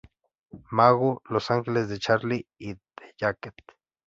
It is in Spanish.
Magoo", "Los ángeles de Charlie" y "The Jacket".